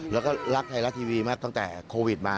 แล้วก็รักไทยรัฐทีวีมากตั้งแต่โควิดมา